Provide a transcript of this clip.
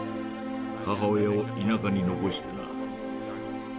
母親を田舎に残してな。